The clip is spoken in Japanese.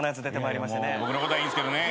僕のことはいいんですけどね。